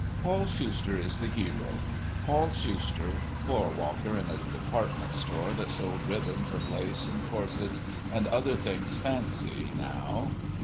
Paul Schuster is the hero—Paul Schuster, floor walker in a department store that sold ribbons and lace and corsets and other things, fancy, now!